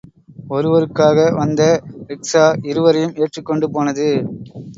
ஒருவருக்காக வந்த ரிக்ஷா, இருவரையும் ஏற்றிக் கொண்டு போனது.